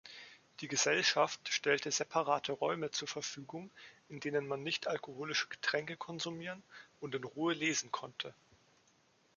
Die Gesellschaft stellte separate Räume zur Verfügung, in denen man nicht alkoholische Getränke konsumieren und in Ruhe lesen konnte.